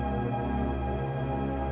yuk les jalan les